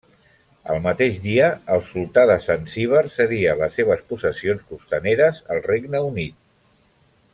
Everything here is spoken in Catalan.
El mateix dia el sultà de Zanzíbar cedia les seves possessions costaneres al Regne Unit.